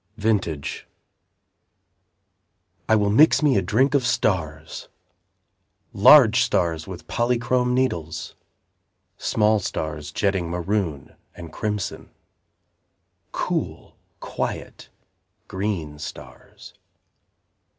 Vintage I will mix me a drink of stars, Large stars with polychrome needles, Small stars jetting maroon and crimson, Cool, quiet, green stars.